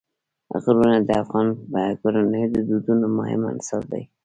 غرونه د افغان کورنیو د دودونو مهم عنصر دی.